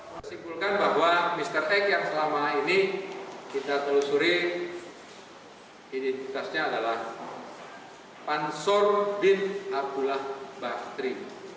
kesimpulkan bahwa mr tech yang selama ini kita telusuri identitasnya adalah pansor bin abdullah bakhtri